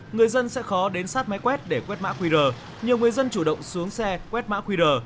người dân sẽ khó đến sát máy quét để quét mã qr nhiều người dân chủ động xuống xe quét mã qr